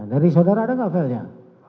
dari saudara ada gak failnya